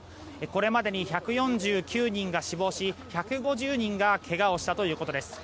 これまでに１４９人が死亡し１５０人がけがをしたということです。